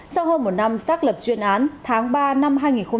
sau hơn một năm xác lập chuyên án tháng ba năm hai nghìn một mươi chín